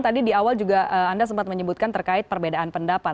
tadi di awal juga anda sempat menyebutkan terkait perbedaan pendapat